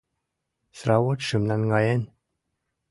Сравочшым наҥгаен...